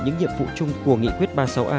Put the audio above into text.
những nhiệm vụ chung của nghị quyết ba mươi sáu a